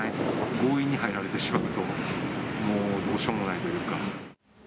強引に入られてしまうと、もうどうしようもないというか。